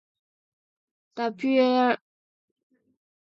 The plural is "xanthelasmata".